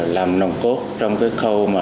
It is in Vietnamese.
làm nồng cốt trong khâu